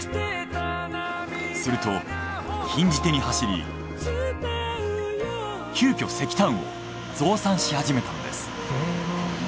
すると禁じ手に走り急きょ石炭を増産し始めたのです。